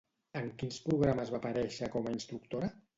En quins programes va aparèixer com a instructora?